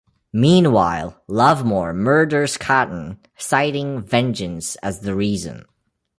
Meanwhile, Lovemore murders Cotton, citing vengeance as the reason.